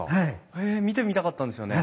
へえ見てみたかったんですよね。